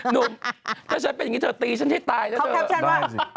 หนุ่มถ้าฉันเป็นอย่างนี้เถอะตีฉันให้ตายแล้วเถอะเขาแคปชั่นว่า